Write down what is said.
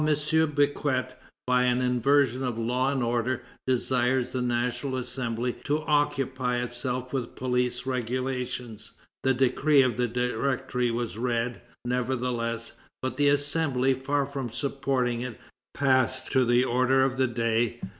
Becquet, by an inversion of law and order, desires the National Assembly to occupy itself with police regulations." The decree of the Directory was read, nevertheless. But the Assembly, far from supporting it, passed to the order of the day.